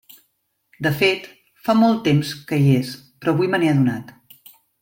De fet, fa molt temps que hi és, però avui me n'he adonat.